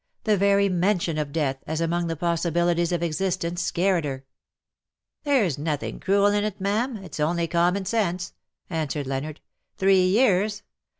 The very mention of death, as among the possibilities of existence, scared her. '^'^ There's nothing cruel in it, ma'am; it^s only common sense/' answered Leonard. " Three years.